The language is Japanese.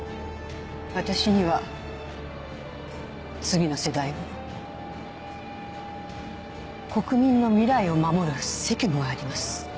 私には次の世代を国民の未来を守る責務があります。